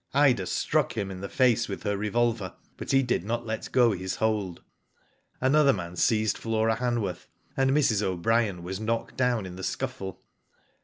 Ida struck him in the face with her revolver, but he dtd not let go his. hold. Another man seized Flora Hanworth, and Mrs. O'Brien was* knocked down in the scuffle.